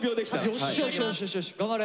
よしよしよし頑張れ。